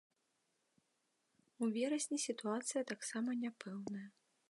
У верасні сітуацыя таксама няпэўная.